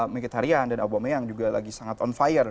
mkhitaryan dan aubameyang juga lagi sangat on fire